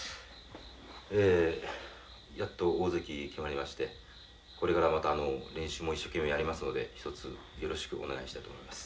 ええやっと大関に決まりましてこれから練習も一生懸命やりますのでひとつよろしくお願いしたいと思います。